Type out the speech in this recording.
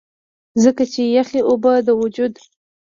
ځکه چې يخې اوبۀ د وجود